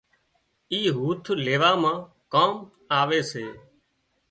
اِي هوٿ ويوان مان ڪام آوي سي